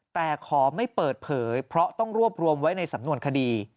แต่ขอไม่เปิดเผยเพราะต้องรวบรวมไว้ในสำนวนคดี